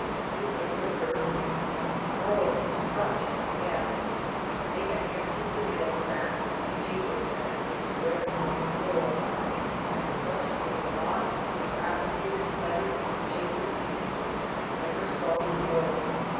We went with her, and oh, such a mess. They had emptied the mail sack on some papers that had been spread upon the floor, and such a lot of dilapidated letters and papers I never saw before.